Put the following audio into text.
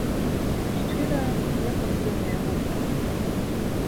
Шчыра, я працую на яго ўтрыманне.